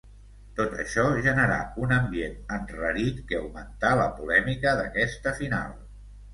Tot això generà un ambient enrarit que augmentà la polèmica d'aquesta final.